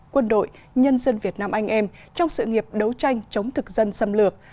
quân đội nhân dân việt nam anh em trong sự nghiệp đấu tranh chống thực dân xâm lược